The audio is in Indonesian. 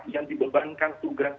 yang dibebankan tugas